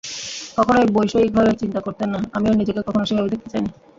কখনোই বৈষয়িকভাবে চিন্তা করতেন না, আমিও নিজেকে কখনো সেভাবে দেখতে চাইনি।